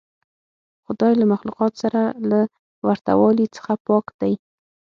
خدای له مخلوقاتو سره له ورته والي څخه پاک دی.